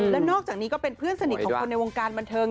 แล้วนอกจากนี้ก็เป็นเพื่อนสนิทของคนในวงการบันเทิง